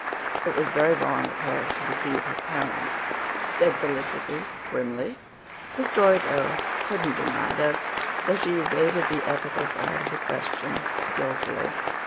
"It was very wrong of her to deceive her parents," said Felicity primly. The Story Girl couldn't deny this, so she evaded the ethical side of the question skilfully.